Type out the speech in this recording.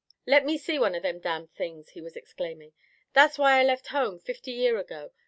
"Let me see one o' them damned things!" he was exclaiming. "That's why I left home fifty year ago.